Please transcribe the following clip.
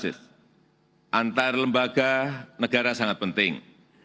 check and balances antar lembaga negara sangat penting